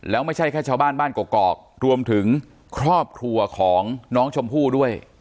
แล้วไม่ใช่แค่ชาวบ้านบ้านกอกรวมถึงครอบครัวของน้องชมพู่ด้วย